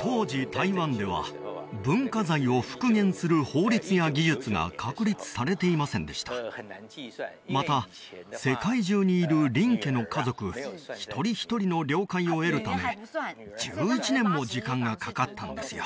当時台湾では文化財を復元する法律や技術が確立されていませんでしたまた世界中にいる林家の家族一人一人の了解を得るため１１年も時間がかかったんですよ